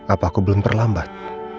apa aku belum terlambat